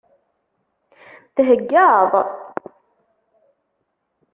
Theggaḍ?